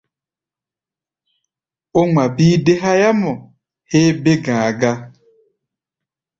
Ó ŋma bíí dé háyámɔ héé bé-ga̧a̧ gá.